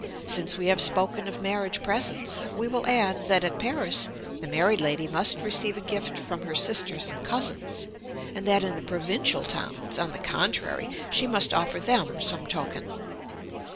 Since we have spoken of marriage presents, we will add that at Paris the married lady must receive a gift from her sisters and cousins, and that in the provincial towns, on the contrary, she must offer them some token.